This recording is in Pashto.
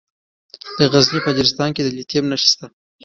د غزني په اجرستان کې د لیتیم نښې شته.